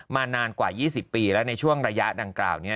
นานกว่า๒๐ปีแล้วในช่วงระยะดังกล่าวนี้